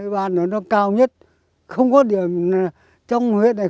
bạn đó nó cao nhất không có điểm trong huyết này